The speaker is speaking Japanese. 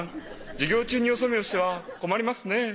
「授業中によそ見をしては困りますねぇ」